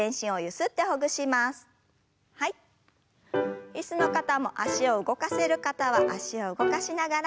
椅子の方も脚を動かせる方は脚を動かしながら。